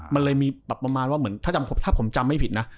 มันเลยมีประมาณว่าถ้าผมจำไม่ผิดนะ